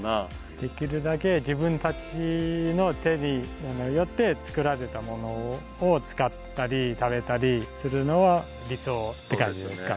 できるだけ自分たちの手によって作られたものを使ったり食べたりするのが理想って感じですか？